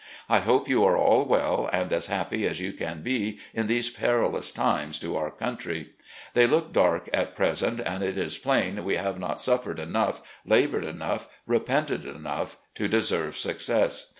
I hope you are all well, and as happy as you can be in these perilous times to our country. They look dark at present, and it is plain we have not suffered enough, laboured enough, repented enough, to deserve success.